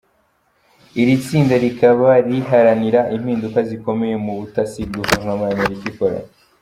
Iri tsinda rikaba riharanira "impinduka zikomeye" mu butasi guverinoma y’Amerika ikora.